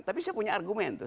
tapi saya punya argumen tuh